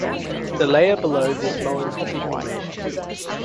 The layer below this is Moenkopi Formation.